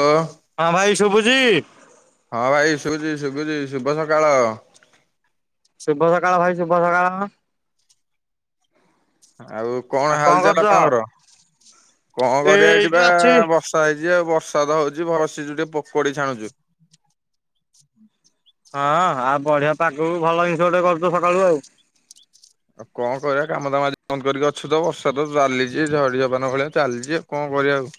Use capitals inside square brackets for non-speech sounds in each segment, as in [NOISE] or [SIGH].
ଓ ହଁ ଭାଇ ଶୁଭୁଚି? ହଁ ଭାଇ ଶୁଭୁଛି ଶୁଭୁଛି। ଶୁଭ ସକାଳ। ଶୁଭ ସକାଳ ଭାଇ ଶୁଭ ସକାଳ। ଆଉ କଣ ହାଲ ଚାଲ ଆପଣଙ୍କର? କଣ କରିବା ଏଠି ଏଇଠି ପା ଅଛି ବସ୍ [UNINTELLIGIBLE] ହେଇଛି ଆଉ ବର୍ଷା ତ ହଉଛି ବସିଚୁ ଟିକେ ପୋକଡି ଛାଣୁଛୁ। ହଁ ଆଉ ବଢିଆ ପାଗକୁ ଭଲ ଜିନିଷ ଟେ କରୁଛ ସକାଳୁ ଆଉ। ଆଉ କଣ କରିବା କାମ ଦାମ ଆଜି ବନ୍ଦ କରିକି ଅଛି ତ ବର୍ଷା ତ ଚାଲିଛି ଝଡି ତୋଫାନ ଭଳିଆ ଚାଲିଛି। କଣ କରିବା ଆଉ।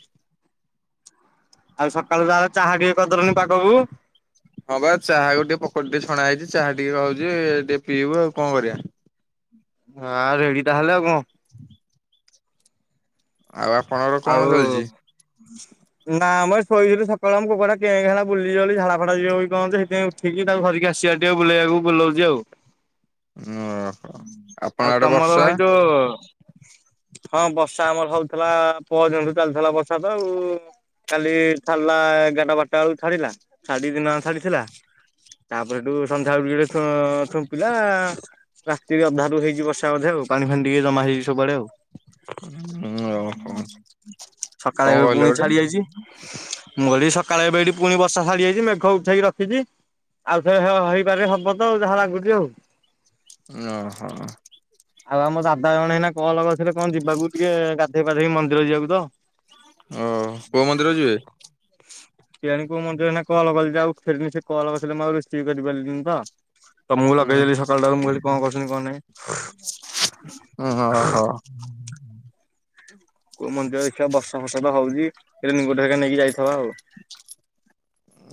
ଆଉ ସକାଳୁ ତାହେଲେ ଚାହା ଟିକେ କରିଦେଲନି ପାାଗକୁ? ହଁ ବା ଚାହାକୁ ଟିକେ ପକଡି ଟିକେ ଛଣା ହେଇଛି ଚାହା ଟିକେ ଖାଉଛି ଟିକେ ପିଇବୁ ଆଉ କଣ କରିବା। ହଁ ରେଡି ତାହେଲେ ଆଉ କଣ। ଆଉ ଆପଣଙ୍କର କଣ ଆଉ ଚାଲିଛି ନା ମ ଶୋଇଥିଲି ସକାଳେ ଆମ କୁକୁର ଟା କେଁ କେଁ ହେଲା ବୁଲି ଯୁବ ବୋଲି ଝାଡା ଫାଡା ଯିବ କି କଣ ଯେ ହେଥିପାଇଁ ଉ ଠିକି ତାକୁ ଧରିକି ଆସିଚିଭାରି ଟିକେ ବୁଲେଇବାକୁ। ବୁଲୋଉଛି ଆଉ। ଓହୋ। ଆପଣ ଆଉ ଆଡେ ତମର ବର୍ଷା ଭାଇ ଯୋଉ ହଁ ବର୍ଷା ଆମର ହଉଥିଲା ପଅ ଦିନଠୁ ଚାଲିଥିଲା ବର୍ଷା ତ ଆଉ। କାଲି ଛାଡ଼ିଲା ଏଗାରଟା ବାରଟା ବେଳକୁ ଛାଡିଲା। ଛାଡି ଦିନ ଯାକ ଛାଡିଥିଲା। ତାପରେ ହେଠୁ ସନ୍ଧ୍ୟାବେଳ ଟିକେ ଟିକେ ଛୁମ୍ପିଲା। ରାତିରେ ଅଧାରୁୁ ହେଇଛି ବର୍ଷା ବଧେ ଆଉ ପାଣି ଫାଡି ଟିକେ ଜମା ହେଇଛି ସବୁଆଡେ ଆଉ। ହୁଁ ଓହୋ। କଣ ସକାଳେ ଏବେ କହିଲେ ପୁଣି ଗୋଟେ ଛାଡି ଯାଇଛି। ମୁଁ ଏଠି ସକାଳେ ଏବେ ଏଠି ପୁଣି ବର୍ଷା ଛାଡି ଯାଇଛି ମେଘ ଉଠେଇକି ରଖିଛି। ଆଉଥରେ ହେ ହେଇପାରିବ, ହବ ତ ଯାହା ଲାଗୁଛି ଆଉ। ଓ ହୋ। ଆଉ ଆମ ଦାଦା ଜଣେ ଏଇନା କଲ କରିଥିଲେ କଣ ଯିବାକୁ ଟିକେ ଗାଧେଇ ପାଧେଇ ମନ୍ଦିର ଯିବାକୁ ତ। ଓ କୋଉ ମନ୍ଦିର ଯିବେ? କେୟାଣି କୋଉ ମନ୍ଦିର। ଏଇନା କଲ କଲେ ଯା ଉଠେଇଲିନି। ସେ କଲ କରିଥିଲେ ମୁ ଆଉ ରିସିଭ କରିପାରିଲିନି ତ। ତମକୁ ଲଗେଇଦେଲି ସକାଳଟାରୁ। ମୁଁ କହିଲି କଣ କରୁଛନ୍ତି କଣ ନାଇ। ଓହୋ କୋ ମନ୍ଦିର ଦେଖିବା ବର୍ଷା ଫର୍ଷା ତ ହଉଛି ରେନିକୋଟ୍ ନେଇକା ଯାଇଥବା ଆଉ।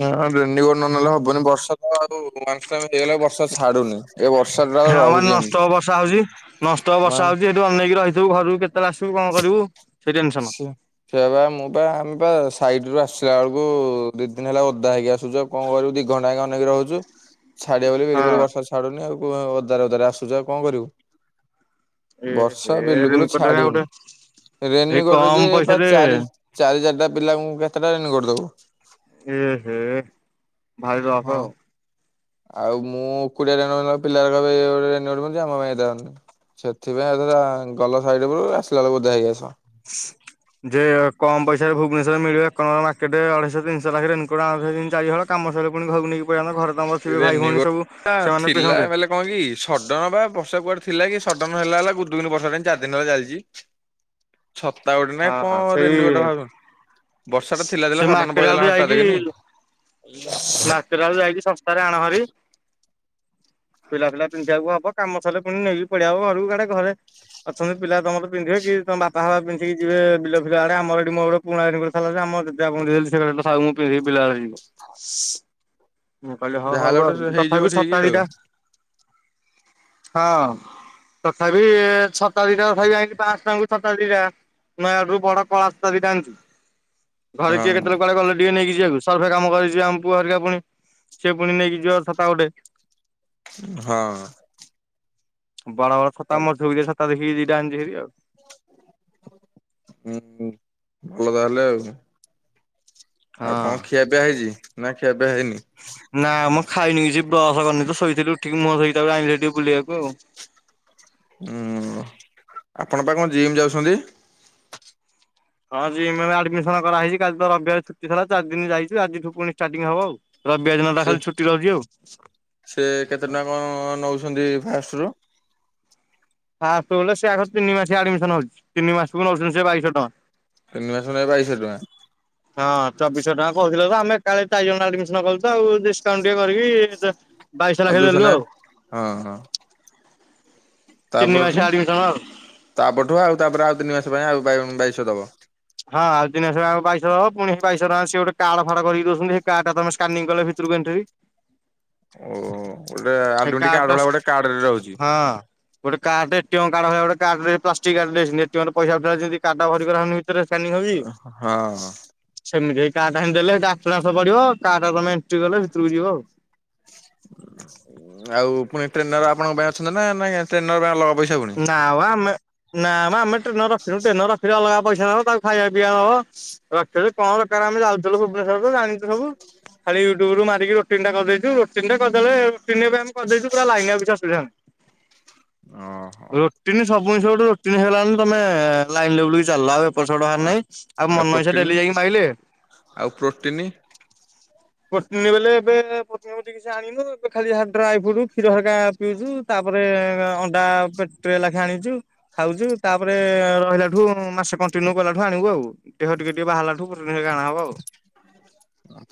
ହଁ ରେନିକୋଟ୍ ନ ନେଲେ ହବନି ବର୍ଷା ତ ଯୋ କନଷ୍ଟାଣ୍ଟ ହେଇଗଲା ବର୍ଷା ଛାଡୁନି। ଏ ବର୍ଷାଟା ହଁ ମାନେ ରହୁଛି ଏମିତି। ନନଷ୍ଟପ ନ ତୁ ଅନେଇକି ରହିଥିବୁ ଘରୁକୁ କେତେବେଳେ ଆସିବୁ କଣ କରିବୁ। ସେଇ ଟେନସନ ସେ ସେୟା ପା। ମୁଁ ପା ଆମେ ପା ସାଇଟରୁ ଆସିଲା ବେଳକୁ ଦି ଦିନ ହେଲା ଓଦା ହେଇକି ଆସୁଚୁ ଆଉ କଣ କରିବୁ ଦି ଘଣ୍ଟା ଏକା ଅନେଇକି ରହୁଛୁ। ଛାଡିବ ବୋଲି ବିଲକୁଲ ହଁ ବର୍ଷା ଛାଡୁନି। ଆଉ ଓଦାରେ ଓଦାରେ ଆସୁଛୁ। ଆଉ କଣ କରିବୁ? ଏ ହେ ବର୍ଷା ବିଲୁକୁୁଲୁ ରେନକୋଟ ହେରିକା ଗୋଟେ ଛାଡୁନି। ଏଇ ରେନିକୋଟ୍ କମ ଯେ ଏ ପା ପଇସାରେ ଚାରି ଚାରି ଚାରିଟା ପିଲାଙ୍କୁ କେତେଟା ରେନିକୋଟ୍ ଦବୁ? ଏ ହେ। ଭାରି ରଫ୍ ହଁ ଆଉ ଆଉ ମୁଁ ଏକୁଟିଆ ରେନିକୋଟ୍ ପିଲାରା କହିବେ ଏ ତାର ରେନିକୋଟ୍ ପିନ୍ଧୁଚି ଆମ ପାଇଁ ଦଉନି। ସେଥିପାଇଁ [UNINTELLIGIBLE] ଗଲ ସାଇଟ୍କୁ ଆସିଲା ବେଳକୁ ଓଦା ହେଇକି ଆସ। ଯେ ଅ କମ ପଇସାରେ ଭୁବନେଶ୍ୱରରେ ମିଳିବ କମ୍ ମାର୍କେଟ ରେ ଅଢେଇଶ ତିନିଶହ ନାଖେରେ ରେନିକୋଟ ଆଣନ୍ତ ଭାରି ଚାରିହଳ। କାମ ସରିଲେ ପୁଣି ଘରକୁ ନେଇକି ପଳଆନ୍ତ ଘରେ ତମର ଥିବେ ଭାଇ ରେନିକୋଟ ଭଉଣି ସବୁ ଟା ସେମାନେ ଥିଲା ପିନ୍ଧନ୍ତେ। ବେଲେ କଣ କି ସଡ଼ନ ବା ବର୍ଷା କୁଆଡେ ଥିଲା କି ସଡନ ହେଲା ହେଲା ଗୁଦ୍ କିନା ବର୍ଷା ଟା ଚାରି ଦିନ ହେଲା ଚାଲିଛି। ଛତା ଗୋଟେ ନାଇଁ ହଁ କଣ ସେଇ ରେନିକୋଟ ଭାବ। ବର୍ଷା ଟା ଥିଲା ସେ ଥିଲା ସଡ଼ନ ମାର୍କେଟ ଆଡୁ ପଳେଇଗଲା ହଠାତ୍ ଯାଇକି କିନି। ମାର୍କେଟ ଆଡୁ ଯାଇକି ସସ୍ତାରେ ଆଣହାରି। ପିଲା ପିଲା ପିନ୍ଧିବାକୁ ହବ କାମ ସରିଲେ ପୁଣି ନେଇକି ପଳିଆବ ଘରକୁ ଆଡେ ଘରେ ଅଛନ୍ତି ପିଲା ତମର ପିନ୍ଧିବେ କି ତମ ବାପା ଫାପା ପିନ୍ଧିକି ଯିବେ ବିଲ ଫିଲ ଆଡେ ଆମର ଏଠି ମୋର ପୁରୁଣା ସାର୍ଟ ପ୍ୟାଣ୍ଟ୍ ଥିଲା ଯେ ଆମର [UNINTELLIGIBLE] ବାପା ଙ୍କୁ ଦେଇଦେଲି ସେ କହିଲେ ଏଇଟା ଥାଉ ମୁଁ ପନ୍ଧିକି ବିଲ ଆଡ଼େ ଯିବି। ମୁଁ କହିଲି ହଁ ଯାହାହେଲେ ହଉ ଆଉ, ଗୋଟେ ହେଇଯିବ ତଥାପି ଠିକ୍ ଆଉ ଛତାଦିଟା, ହଁ। ତଥାପି ଛତା ଦିଟା ତଥାପି ଆଇଂଲି ପାଁଶହ ଟଙ୍କାକୁ ଛତା ଦିଟା। ନୟାଗଡ଼ ରୁ ବଡ କଳା ଛତା ଦିଟା ଆଣିଛି। ଘରେ କିଏ ହଁ କେତେବେଳେ କୁଆଡେ ଗଲେ ଟିକେ ନେଇକି ଯିବାକୁ ସର୍ଭେ କାମ କରିି ଯିବେ ଆମ ପୁଅ ହେରିକା ପୁଣି। ସିଏ ପୁଣି ନେଇକି ଯିବ ଛତା ଗୋଟେ। ହଁ। ବଡ ବଡ ଛତା ତାହେଲେ ମଜବୁତିଆ ଛତା ଦେଖିକି ଦିଟା ଆଣିଛି ହେରି ଆଉ। ହୁଁ ହୁଁ ଭଲ ତାହେଲେ ଆଉ। ଆଉ ହଁ। କଣ ଖିଆପିଆ ହେଇଛି ନା ଖିଆପିଆ ହେଇନି? ନା ମୁଁ ଖାଇନି କିଛି ବ୍ରସ କରିନି ତ ଶୋଇଥିଲି ଉଠିକ ମୋହ ଧୋଇକି ତାପରେ ଆଇଲି ଟିକେ ବୁଲିବାକୁ ଆଉ। ଓ ହୋ ଆପଣ ପା କଣ ଜିମ୍ ଯାଉଛନ୍ତି? ହଁ ଯିମ ରେ ଏବେ ଆଡମିସନ କରାହେଇଛି କାଲି ତ ରବି ବର୍ ଛୁଟି ଥିଲା ଚାରି ଦିନ ଯାଇଛୁ ଆଜିଠୁ ପୁଣି ଷ୍ଟାର୍ଟିଂ ହବ ଆଉ। ରବିବାର ଦିନଟା ସେ ଖାଲି ଛୁଟି ରହୁଛି ଆଉ। ସେ କେତେ ଟଙ୍କା କଣ ନଉଛନ୍ତି ଫାଷ୍ଟ ରୁ? ଫାଷ୍ଟ୍ ଗଲେ ସେ ଆଗ ତିନି ମାସିଆ ଆଡମିସନ ହଉଛି ତିନି ମାସକୁ ନେଉଛନ୍ତି ସେ ବାଇଶହ ଟଙ୍କା। ତିନି ମାସକୁ ନେବେ ବାଇଶହ ଟଙ୍କା? ହଁ ଚବିଶହ ଟଙ୍କା କହୁଥିଲେ ତ ଆମେ ଏକାବେଳେ ଚାରି ଜଣ ଆଡମିସନ କଲୁ ତ ଆଉ ଡିସକାଉଣ୍ଟ ଟିକେ କରିକି ବାଇଶହ ଆଉ ଲାଖେ ଦୁଇ ଦେଲୁ ଶହ ନାକେ ହଁ ହଁ। ତା ତିନି ପରଠୁ ମାସିଆ ଆଡମିସନ ଆଉ। ତା ପରଠୁ ଆଉ ତାପରେ ଆଉ ତିନି ମାସ ପାଇଁ ଆଉ ବାଇ ବାଇଶହ ଦବ। ହଁ ଆଉ ତିନି ମାସ ପାଇଁ ବାଇଶହ ଦବ ପୁଣି ସେ ବାଇଶହ ଟଙ୍କା ରେ ସେ ଗୋଟ କାର୍ଡ ଫାଡ୍ କରି ଦଉଛନ୍ତି ସେ କାର୍ଡ ଟା ତମେ ସ୍କାନିଂ କଲେ ଭିତ୍ ଭିତରକୁ ଏଣ୍ଟ୍ରି। ଓ ଗୋଟେ ହେ ଆଡମିଟ କାର୍ଡ ଟା ଭଳିଆ ଗୋଟେ କାର୍ଡରେ ରହୁଛି ହଁ। ଗୋଟେ କାର୍ଡଟେ ଏ ଟି ଏମ କାର୍ଡ ବଳିଆ କାର୍ଡ ପ୍ଲାଷ୍ଟିକ୍ କାର୍ଡ ଦେଇଛନ୍ତି ଏ ଟି ଏମ ରେ ପଇସା ଉଠେଇଲା ବେଳେ ଯେମିତି କାର୍ଡ ଟା ଭରିଗଲା ହମି କରାହଉନି। ସେଥିରେ ସ୍କାନିଂ ହଉଚି? ହଁ। ସେମିତି ହେଇ କାର୍ଡ ଟା ଦେଲେ ଆଟନାସ ପଡିବ କାର୍ଡ ଟା ତମେ ଏଣ୍ଟ୍ରି କଲେ ଭିତକୁ ଯିବ ଆଉ। ଆଉ ପୁଣି ଟ୍ରେନର ଆପଣଙ୍କ ପାଇଁ ଅଛନ୍ତି ନା ଟ୍ରେନର ପାଇଁ ଅଲଗା ପଇସା ପୁଣି? ନାମ ଆମେ ନାମ ମଆମେ ଟ୍ରେନର ରଖିନୁ ଟ୍ରେନର ରଖିଲେ ଅଲଗା ପଇସା ନବ ତାକୁ ଖାଇବା ପିଇବା ଦବ। ରଖଥିଲୁ କଣ ଦରକାର ଆମେ ଯାଉଥିଲୁ ଭୁବନେଶ୍ଵର ତ ଜାଣିଛୁ ସବୁ। ଖାଲି ୟୁଟୁବ ରୁ ମାରିକି ରୋଟିନ୍ ଟା କରି ଦେଇେଛୁ ରଟିନ୍ ଟା କରିଦେଲେ ରୋଟିନ ଏବେ ଆମେ କରିଦେଇଛୁ ପୁରା ଲାଇନ ରେ କିଛି ଅସୁବିଧା ନାଇ। ହଉ। ରୋଟିନି ସବୁ ଜିନଷ ଗୋଟେ ରୋଟିନ ହେଗଲା ମାନେ ତମେ ଲାଇନ ଲେବୁଲରେ ଚାଲିଲ ଆଉ ଏପଟ ହେବାର ନାଇଁ ଆଉ ମନ ଇଛା ଡେଲି ଯାଇିକି ମାଇଲେ ପ୍ରୋଟିନି। ପ୍ରୋଟିନ ବୋଲେ ଏବେ ପ୍ରୋଟିନ ପ୍ରୋଟିନ କିଛି ଆଣିନୁ ଏବେ ଖାଲି ଯାହା ଡ୍ରାଏ ଫୁଡ୍ କ୍ଷୀର ହେରିକା ପିଉଛୁ ତା ପରେ ଅନ୍ ଣ୍ଡା ପେ ଟ୍ରେଲେଖା ଆଣିଛୁ। ଖାଉଛୁ ତାପରେ ରହିଲାଠୁ ମାସେ କଣ୍ଟିନ୍ୟୁ କଲାଠୁ ଆଣିବୁ ଆଉ। ଦେହ ଟିକ ଟିକ ବାହାରଲାଠୁ ପ୍ରୋଟିନ ହେରୀକା ଅଣା ହବ ଆଉ।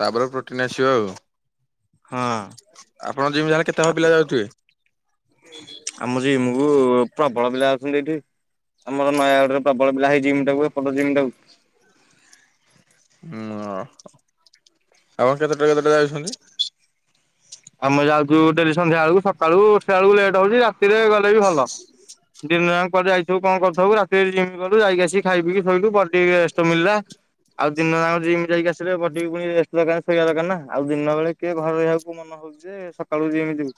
ତାପରେ ପ୍ରୋଟିନ୍ ଆସିବ ଆଉ। ହଁ। ଆପଣ ଜିମ୍ [UNINTELLIGIBLE] କେତେ ହବ ପିଲା ଯାଉଥିବେ? ଆମରି ଯିମକୁ ପ୍ରବଳ ପିଲା ଅଛନ୍ତି ଏଠି। ଆମର ନୟାଗଡରେ ପ୍ରବଳ ପିଲା ହେଇ ଜିମ ଟାକୁ ଏପଟ ଜିମ୍ ଟାକୁ ହୁଁ ଆପଣ କେତେଟା ରୁ କେତେଟା ଯାଉଛନ୍ତି? ଆମେ ଯାଉଛୁ ଡେଲି ସନ୍ଧ୍ୟା ବେଳକୁ ସକାଳୁ ଉଠିଲା ବେଳକୁ ଲେଟ୍ ହଉଛି ରାତିରେ ଗଲେ ବି ଭଲ ଡିିନା ଯାଙ୍କ କୁଆଡେ଼ ଯାଇଥିବ କଣ କରିଥିବୁ ରାତିରେ ଜିମି କଲୁ ଯାଇକି ଆସି ଖାଇ ପିଇକି ଶୋଇଲୁ ଟିକେ ରେଷ୍ଟ ମିଳିଲା ଆଉ ଦିନଜାଙ୍କର ଜିମି ଯାଇିକି ଆସିଲେ ବଡିକି ପୁଣି ରେଷ୍ଟ ଦରକାର ଶୋଇବା ଦରକାର ନା ଆଉ ଦିନ ବଳେ କିଏ ଘ ରହିବାକୁ ମନ ହଉ ଯେ ସକାଳୁ ଜିମ ଯିବୁ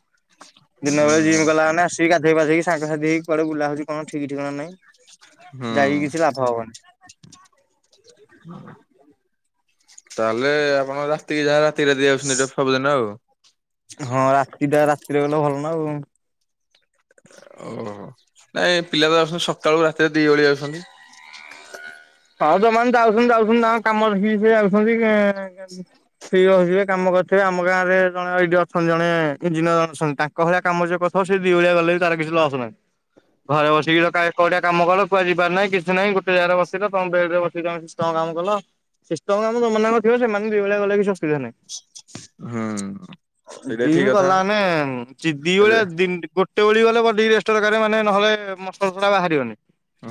ଦିନ ବେଳେ ଜିମ ହୁଁ ଗଲା ମାନେ ଆ ଟିକି ଗଧୋଇବାଧେଇକି ସାଙ୍ଗ ସାଥି ହେଇକି କୁଆଡେ଼ ବୁଲା ହଉ କଣ ଠିକ ଠିକଣା ନାହିଁ ହୁଁ ଯାଇକି କିଛି ଲାଭ ହବନି ତାହେଲେ ଆପଣ ରାତିକି ଯାହା ରାତିରେ ଦିଆଯାଉଛନ୍ତି ଏଟା ସବୁଦିନ ଆଉ ହଁ ରାତିଟା ରାତିରେ ଗଲେ ଭଲ ନା ଆଉ ଓହୋ ନାଇଁ ପିଲା ତ ଆସୁଛନ୍ତି ସକାଳୁ ରାତିରେ ଦିଓଳି ଆସଛନ୍ତି ହଁ ଯୋଉ ମାନେ ଯାଉଛନ୍ତି ଯାଉଛନ୍ତି ଆମ କାମରେଖିକି ସେ ଯାଉଛନ୍ତି [UNINTELLIGIBLE] ଫ୍ରୀ ରହିଥିବେ କାମ କରିଥିବେ ଆମ ଗାଁରେ ଜଣେ ଏଇ ଡି ଅଛନ୍ତି ଜଣେ ଇଞ୍ଜିନିୟର ଜଣେ ଅଛନ୍ତି ତାଙ୍କ କହଳିଆ କାମ ସିଏ କରିଥିବ ସେ ଦିଇଳିଆ ଗଲେ ବି ତାର କିଛି ତ ଲସ୍ ନାହିଁ ଘରେ ବସିକି କୋଉଡିଆ କାମ କୁହା ଯିବାର ନାହିଁ କିଛି ନାହିଁ ଗୋଟେ ଜାଗାରେ ବସ ସେଇଟା ତମ ବେଡ ରେ ବସୀକି ତମ ସିଷ୍ଟମ କାମ କଲ ସିଷ୍ଟଙ୍ଗ କାମଯୋଉ ମାନଙ୍କର ଥିବ ସେମାନେ ଦୁଇଳି ଗଲେ କିଛି ଅୁବିଧା ନାହିଁ ହୁଁ ସେଇଟା ଠିକ ଦିମି କଥା ଗଲା ମାନେ ଚିଦି ବଳିଆ ହୁଁ ଗୋଟେ ଟେଳି ଗଲେ ବଡିକି ରେଷ୍ଟଦରକାର ମାନେ ନହେଲେ ମସଲାସଲା ବାହାରିବନି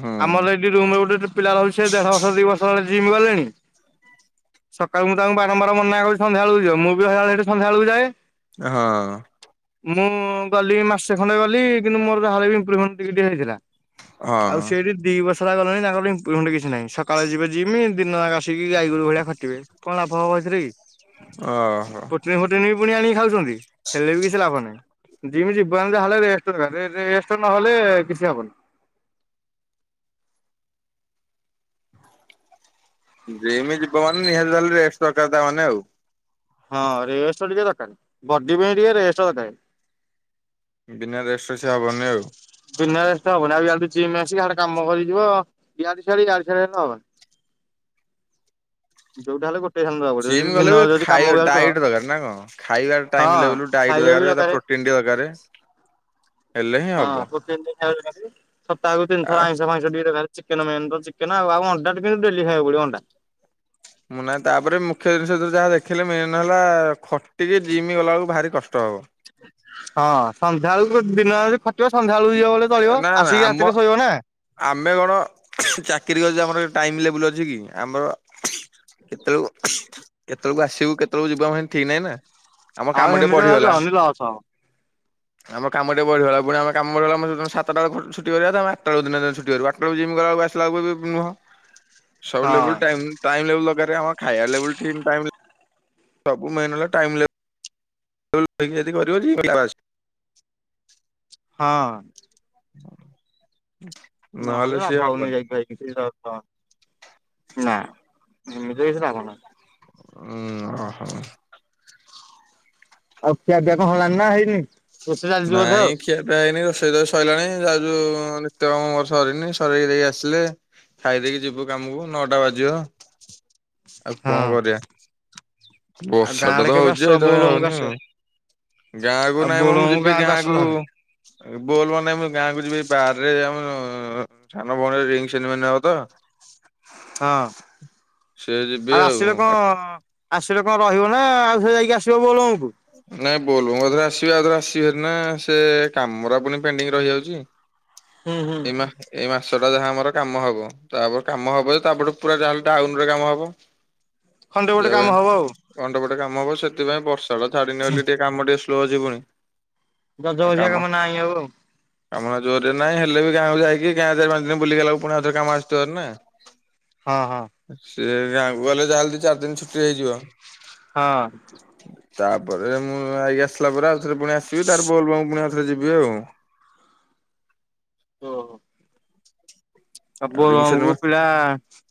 ହଁ। ଆମର ଏଠି ରୁମ ଗୋଟେ ପିଲା ରହୁଛ ସେ ଦେଢ ବର୍ଷ ଦି ବର୍ଷ ହେ ଜିମ୍ ଗଲେଣି ସକାଳୁ ମୁଁ ତାଙ୍କୁ ବାରମ୍ବାର ମନା କରିଛି ସନ୍ଧ୍ୟା ବେଳକୁ ଯିବ ମୁଁ ବି ସଇାବେଳେ ସେି ସନ୍ଧ୍ୟା ବେଳକୁ ଯାଏ ହଁ ମୁଁ ଗଲି ମାସେ ଖଣ୍ଡେ ଗଲି କିନ୍ତୁ ମୋର ତାହେଲେ ବି ଇମ୍ପ୍ରୁଭମେଣ୍ଟ ଟିକେ ଟିକେ ହେଇଥିଲା ଆଉ ସେଠି ଦି ବର୍ଷ ହେ ଗଲେଣି ତାଙ୍କର ଏମ୍ପୁର ମେଣ୍ଟ କିଛି ନାହିଁ ସକାଳେ ଯିବେ ଯିମି ଦିନ ଆସ ଉଠିକି ଗାଈ ଗୋରୁ ଭଳିଆ ଖଟିବେ କଣ ଲାଭ ହବ ସେଥିରେ କି ଓହୋ ପୁଣି ହୋଟେଲ ବି ପୁଣି ଆଣିକି ଖାଉଛନ୍ତି ହେଲେ ବି କିଛି ଲାଭ ନାହିଁ ଜିମି ଯିବାନ ଯା ହେଲେ ରେଷ୍ଟ ଦରକାର ରେ ରେଷ୍ଟ ନହେଲେ କିଛି ହବନି ଜିମି ଯିବ ମାନେ ନିହାତିହଲେ ରେଷ୍ଟ ଦରକାର ତା ମାନେ ଆଉ ହଁ ରେଷ୍ଟ ଟିକେ ଦରକାରୀ ବଡି ପାଇଁ ଟିକେ ରେଷ୍ଟ ଦରକାରୀ ବିନା ରେଷ୍ଟରେ୍ ସେ ହବନି ଆଉ ବିନା ରେଷ୍ଟ ହବନ ଆଉ ଜିମ ଆସିକିଆଡେ କାମ କରିିବ ଯିବ ଇଆଡେ ସିଆଡେ ହେନେ ହବନି ଯୋଉଟା ହେଲେ ଗୋଟ ସିମ ଗଲେ ବି ଖାଇ ଡାଇଟ୍ ଦରକାର ନା କଣ ଖାଇବା ଟାଇମ ଲେବୁଲ୍ ଡାଇଟ୍ ଖାଇବା ବି ଦରକାରେ। ଦରକାର ତିଣ୍ଡି ଦରକାରେ ହଁ ହୋଟେଲ୍ [UNINTELLIGIBLE] ସପ୍ତାହକୁ ତିନି ଆ ଥର ଆଇସ ଫାଇଶ୍ ଚିକେନ ମେନ ତ ଚିକେନ ଆଉ ଆଉ ଅଣ୍ଡା କିନ୍ତୁ ଡେଲି ଖାଇବାକୁ ପଡିବ ଅଣ୍ଡା ମୁଁ ନାହିଁ ତାପରେ ମୁଖ୍ୟ ଜିନିଷ ଯାହା ଦେଖିଲେ ମେନ୍ ହେଲା ଖଟିକି ଜିମ ଗଲାବେଳକୁ ଭାରି କଷ୍ଟ ହବ ହଁ ସନ୍ଧ୍ୟା ବେଳକୁ ଦିନ ଖଟିବ ସନ୍ଧ୍ୟାବେଳକୁ ଯିବ ବଲେ ଚଳିବ ନା ନା ଆସିକି ଆମ ରାତିରେ ଶୋଇବ ନା ଆମେ କଣ ଚାକିର କରଛୁ ଆମର ଟାଇମ ଲେବୁଲ ଅଛି କି ଆମର କେତେବେଳ କେତେବେଳକୁ ଆସିବୁ କେତେବେଳକୁ ଯିବୁ ଆମ ପାଇଁ ଠିକ ନାହିଁ ନା ଆମ ଆଉ କାମ ଟେ ହେମିତି ହେଲେ ବଢିଗଲା ଜହନି ଲସ୍ ହବ। ଆମ କାମ ଟେ ବଢିଗଲା ପୁଣି ଆମ କାମରେ ହେଲା ଆମ ସାତଟରେ ଛୁଟି କରିବା ତା ଆଠଟା ବେଳେ ଦିନେ ଦିନେ ଛୁଟି କରୁ ଆଠଟା ବେଳକୁ ଜିମକୁ ଆସିଲାକୁ ବି ନୁହଁ ହ [INAUDIBLE] ସବୁ ଲେବଲ ଟାଇମ ଲେବେଲ ଦରକାର ଆମର ଖାଇବା ଲବଲ ଠିକ୍ ଟାଇମ ସବୁ ମେନ ହେଲା ଟାଇମ ଲେ ି ଯଦି କରିବ [INAUDIBLE] ହଁ [UNINTELLIGIBLE] ସିଏ ହବନି। [UNINTELLIGIBLE] ନା। ଏମିତି କିଛି ଲାଭ ନାହିଁ। ଉୁଁ ଅହ। ଆଉ ଖିଆ ପିଆ କଣ ହେଲାଣି ନା ହେଇନି? ରୋଷେଇ ଚାଲିଛି ବୋଧେ ନାଇଁ। ଆଉ। ଖିଆ ପିଆ ହେଇନି। ରୋଷେଇ ତ ସଇଲାଣି ଯାଉଛୁ ନିତ୍ୟ କର୍ମ ମୋର ସରିନି। ସରେଇ ଦେଇ ଆସିଲେ। ଖାଇଦେଇ କି ଯିବୁ କାମୁକୁ ନଅଟା ବାଜିବ। ଆଉ କଣ ହଁ କରିଆ। ଆଉ ଗାଁ ବର୍ଷାଟା ଆଡେ ତ କେବେ ହଉଛି ଆସ ସେଇଥ ପାଇଁ ବୋଲବମକୁ ଯାଉନି ଆସିବ ଆଉ। ଗାଁ କୁ ଆଉ ନାଇଁ ମ। ମୁଁ ବୋଲବମକୁ ଯିବି ଗାଁକୁ ଗାଁ ଆସ କୁ। ତାହେଲେ। ବୋଲବ ନାହିଁ। ମୁଁ ଗାଁକୁ ଯିବି ବାର୍ ରେ ଆମର। ସାନ ଭଉଣୀ ର ରିଙ୍ଗ ସେନରମନି ହବ ତ। ହଁ। ସେ ଯିବି ଆଉ ଆସିଲେ କଣ। ଆସିଲେ କଣ ରହିବ ନା ଆଉଥରେ ଯାଇକି ଆସିବ ବୋଲବମ ରୁ ନାଇଁ ବୋଲବମ ରେ ଆସିବା କଥା ଆସିବି ହେରି ନା ସେ କମହେରା ପୁଣି ପେଣ୍ଡିଙ୍ଗ ରହିଯାଉଛି। ହୁଁ ହୁଁ। ଏ ମା। ଏଇ ମାସ ଟା ଯାହା ଆମର କାମ ହବ। ତାପରେ କାମ ହବ ଯେ। ତାପ ଠୁ ପୁରା ଯାହାଲେ ଟାଉନ୍ ରେ କାମ ହବ। ହଣ୍ଡ୍ରେଡ୍ ପରସେଣ୍ଟ କାମ ହବ ଆଉ। ହୁଣ୍ଡ୍ରେଡ ପସେଣ୍ଟ କାମ ହବ। ସେଥିପାଇଁ ବର୍ଷା ଟା ଛାଡିିନି ବୋଲି ଟିକେ କାମ ଟିକେ ସ୍ଲୋ ଯିବୁନି। ଗଜଗଜିଆ କାମ ନାହିଁ ଆଉ। ଆଉ। କାମ ନା ଜୋରରେ ନାହିଁ। ହେଲେ ବି ଗାଁକୁ ଯାଇକି ଗାଁ ଚାରି, ପାଞ୍ଚ ଦିନି ବୁଲିଗଲାକୁ ପୁଣି ଆଉ ଥରେ କାମ ଆସିଥିବ ନା। ହଁ ହଁ। ସିଏ। ଗାଁକୁ ଗଲେ ଯାହା ହେଲେ ଦି, ଚାରି ଦିନି ଛୁଟି ହେଇଯିବ। ହଁ। ତାପରେ ମୁଁ ଆଇକି ଆସିଲା ପରେ। ଆଉଥରେ ପୁଣି ଆସିବି ତାର ବୋଲବମ୍ ପୁଣି ଆଉଥରେ ଯିବି ଆଉ। ଓ। ଆଉ। ବୋଲବମ୍ କୁ ପିଲା,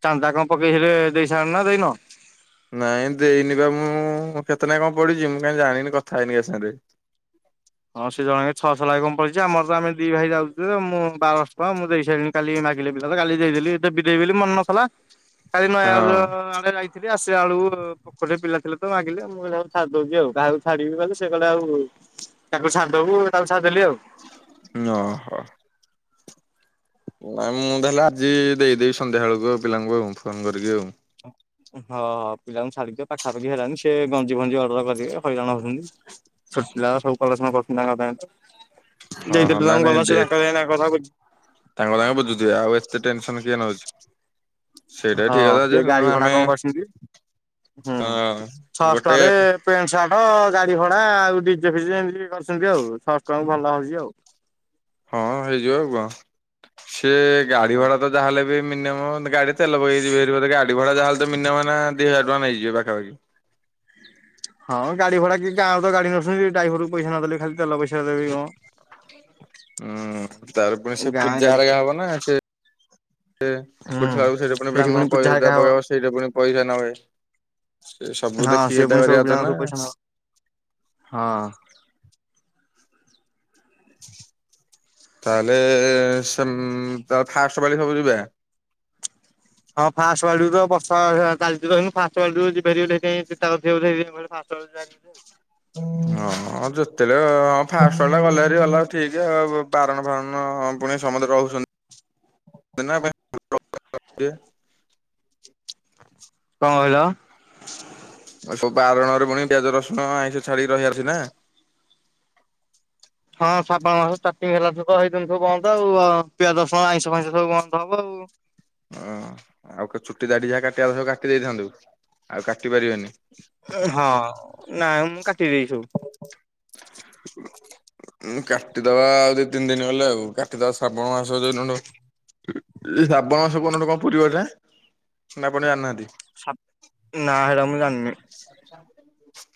ଚାନ୍ଦା କଣ ପକେଇଥିଲେ ଦେଇସାରିଲଣି ନା ଦେଇନ। ନାଇଁ, ଦେଇନି ବା ମୁଁ କେତେ ଟଙ୍କା କଣ ପଡିଛି। ମୁଁ କାଇଁ ଜାଣିନି କଥା ହେଇନି କା ସାଙ୍ଗରେ। ହଁ, ସେ ଜଣକେ ଛଅଶହ ଲେଖା କ ପଡିଛି ଆମର ତ ଆମେ ଦି ଭାଇ ଯାଉଛୁ। ତ ମୁଁ ବାରଶହ ଟଙ୍କା ମୁଁ ଦେଇସାରିଲିନି। କାଲି ମାଗିଲେ ପିଲା ତ। କାଲି ଦେଇଦେଲି। ଦେବି ଦେବି ବୋଲି ମନେ ନଥିଲା। କାଲି ନ ଆ। ହଁ ଆସିଲା ବେଳକୁ ପୋଖୋରୀ ରେ ପିଲା ଥିଲେ ତ ମାଗିଲେ ମୁଁ କହିଲି ଥା ମୁଁ ଦେଉଛି ଆଉ କାହାକୁ ଛାଡ଼ିବି ସିଏ କହିଲା ଠୁ ତାକୁ ଛାଡିଦବୁ ତାକୁ ଛାଡିଦେଲି ଆଉ। ନ ହ। ନାଇଁ। ମୁଁ ତାହାଲେ ଆଜି ଦେଇଦେବି ସନ୍ଧ୍ୟା ବେଳକୁ ଆଉ। ପିଲାଙ୍କୁ, ଆଉ ଫୋନ୍ କରିକି ଆଉ। ହ ପିଲାଙ୍କୁ ଛାଡିଦିଅ ପାଖାପାଖି ହେଲାନି, ସେ ଗଞ୍ଜି ଫଞ୍ଜି ଅର୍ଡର କରିବେ, ହଇରାଣ ହଉଚନ୍ତି। ଛୋଟ ପିଲା ଗୁରା ସବୁ କଲେସନ କରୁଚନ୍ତି, ତାଙ୍କ ତାଙ୍କ ଭିତରେ, ହଁ ହଁ ଦେଇଦେଲୁ ନାଇଁ ତାଙ୍କୁ ନାଇଁ ଗଲା ସେ, ଦେ ତାଙ୍କର [UNINTELLIGIBLE] ତାଙ୍କ ତାଙ୍କ ବୁଝୁଥିବେ। ଆଉ ଏତେ ଟେନସନ୍ କିଏ ନଉଚି? ହଁ, ସେ ଗାଡି ଭଡା ଆମେ କଣ କରିଚନ୍ତି? ହୁଁ, ଅ ଛଅଶ ଗୋଟେ ଟଙ୍କା ରେ ପେଣ୍ଟ, ସାର୍ଟ, ଗାଡି ଭଡା ଆଉ ଡିଜେ ଫିଜେ ଏମିତି କରିଚନ୍ତି ଆଉ, ଛଅଶ ଟଙ୍କା କୁ ଭଲ ହେଇଚି ଆଉ। ହଁ ହେଇଯିବ ଆଉ କଣ? ସିଏ ଗାଡି ହଁ। ଭଡା ଯାହାହେଲେ ବି ମିନିୟମ ଗାଡି ତେଲ ପକେଇକି ଯିବେ ହାରି। ଗାଡି ଭଡା ଯାହାହେଲେ ତ ମିନିୟମ ନା, ଦି ହଜାର ଟଙ୍କା ନେଇଯିବ ପାଖାପାଖି। ହଁ, ଗାଡି ଭଡା କି ଗାଁ ରୁ ତ ଗାଡି ନଉଛନ୍ତି, ଡ଼ାଇଭରକୁ ପଇସା ନ ଦେଲେ ଖାଲି ତେଲ ପଇସା ଦେବେ କି କଣ? ହୁଁ, ତାର ପୁଣି ସେ ଗାଁ ପୂଜା ଗାଡି ତ ହେରୀକା ହବ ନା ସେ ସେ, ହୁଁ ଉଠିଲା ବେଳକୁ ସେଠି ପୁଣି ସେଇଠି ବ୍ରାହ୍ମଣ ପୂଜା ପଇତା ହେରିକା ହବ ପକେଇବ, ସେଇଟା ପୁଣି ପଇସା ନେବେ। ସେ ସବୁ ହଁ ଦେଖିକି ସିଏ ଏଇଦା ପୁଣି ସବୁ କରିବା କଥା ନା? ପିଲାଙ୍କଠୁ ପଇସା ନବ ହଁ ତାହାଲେ, ସେମ୍ ତା ଫାଷ୍ଟ ପାଳି ସବୁ ଯିବେ? ହଁ, ଫାଷ୍ଟ ପାଳି ଠୁ ତ, ବର୍ଷା ଚାଲିଚି ତ ଏଇନୁ [UNINTELLIGIBLE] [UNINTELLIGIBLE] ହଁ, ଯେତେବେଳେ, ହଁ ଫାଷ୍ଟ ଟା ଗଲେରି ଗଲା, ଉଠେଇଚେ ଆଉ ଉ ବାରଣ ଫାରଣ ପୁଣି ସମତେ [UNINTELLIGIBLE] କଣ କହିଲ? ସବୁ ବାରଣରେ ପୁଣି ପିଆଜ ରସୁଣ ଆଇଁଷ ଛାଡି ରହିବା ଅଛିନା? ହଁ ଶ୍ରାବଣ ମାସ ଷ୍ଟାର୍ଟିଂ ହେଲାଠୁତ ହେଇଦିନ ଠୁ ବନ୍ଦ, ଆଉ ପିଆଜ ରଶୁଣ, ଆଇଁଷ ଫାଇଁଷ, ସବୁ ବନ୍ଦ ହବ ଆଉ। ଓ, ଆଉ ଚୁଟି ଦାଡି ଯାହା କାଟିବା ସବୁ କାଟି ଦେଇଥାନ୍ତୁ, ଆଉ କାଟି ପାରିବେନି। ହଁ, ନାଇଁ ମୁଁ କାଟି ଦେଇଚି ସବୁ। [UNINTELLIGIBLE] ଉଁ କାଟିଦବା ଆଉ ଦି ତିନ୍ ଦିନ୍ ଗଲେ ଆଉ, କାଟିଦବା ଶ୍ରାବଣ ମାସ ଜ‌ଉନୁଠୁ ଶ୍ରାବଣ ମାସ କଉନଠୁ କଣ ପୁରିବ ଏଟା, ନା ଆପଣ ଜାଣିନାହାନ୍ତି? ସା ନା ହେରା ମୁଁ ଯାନି।